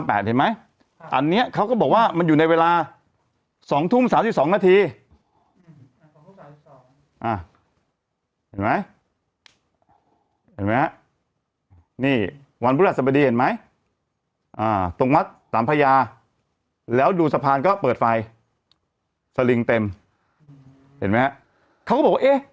อ่ะเนี่ยมันอยู่ตรงพระลำ๘เข้าก็บอกว่ามันอยู่ในเวลา๒ทุ่ม๓๒นาที